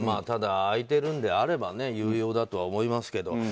ただ空いているんであれば有用だとは思いますけど。